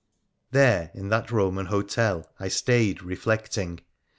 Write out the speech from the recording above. There, in that Eoman hotel, I stayed reflecting.